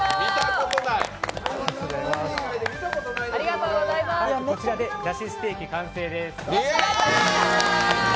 これで出汁ステーキ完成です。